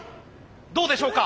どうでしょうか？